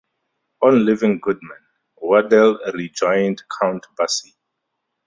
On leaving Goodman, Wardell rejoined Count Basie.